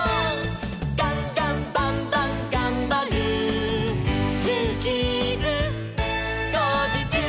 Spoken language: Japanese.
「ガンガンバンバンがんばる」「ジューキーズ」「こうじちゅう！」